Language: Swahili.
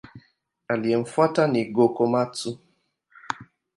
Aliyemfuata ni Go-Komatsu.